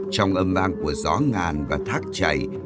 trong âm vang của gió ngàn và thác trời